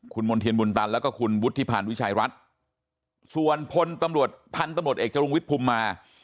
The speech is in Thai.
คุณมณ์เทียนบุญตันแล้วก็คุณวุฒิพันธ์วิชัยรัฐส่วนพลตำรวจพันธุ์ตำรวจเอกจรุงวิทย์ภูมิมา